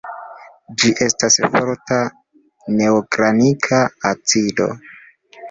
Ĝi estas forta neorganika acido.